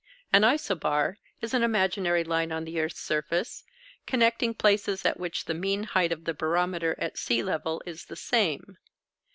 An isobar is an imaginary line on the earth's surface, connecting places at which the mean height of the barometer at sea level is the same.